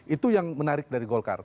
itu yang menarik dari golkar